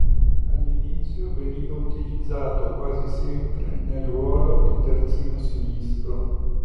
All'inizio veniva utilizzato quasi sempre nel ruolo di terzino sinistro.